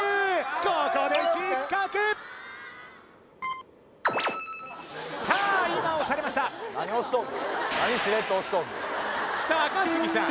ここで失格さあ今押されました高杉さん